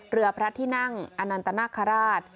เรือพระที่นั่งอนันตนาคาราช